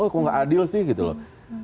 oh kok gak adil sih gitu loh